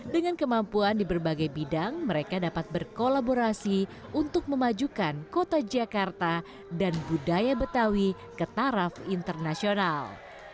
dapat berkolaborasi untuk memajukan kota jakarta dan budaya betawi ke taraf internasional